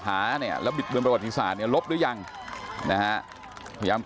หาเนี่ยแล้วบิดเบือนประวัติศาสตร์เนี่ยลบหรือยังนะฮะพยายาม